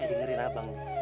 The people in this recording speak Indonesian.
ya dengerin abang